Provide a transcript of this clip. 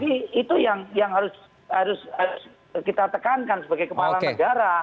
jadi itu yang harus kita tekankan sebagai kepala negara